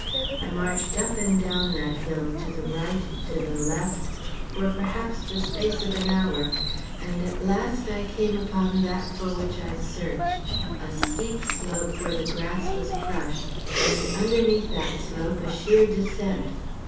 I marched up and down that hill, to the right, to the left, for perhaps the space of an hour, and at last I came upon that for which I searched a steep slope where the grass was crushed, and underneath that slope a sheer descent.